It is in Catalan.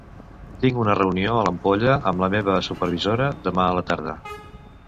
Tinc una reunió a l'Ampolla amb la meva supervisora demà a la tarda.